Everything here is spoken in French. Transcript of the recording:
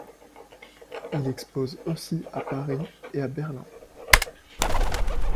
Il expose aussi à Paris et à Berlin.